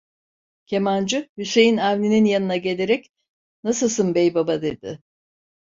Kemancı, Hüseyin Avni'nin yanına gelerek: "Nasılsın beybaba!" dedi.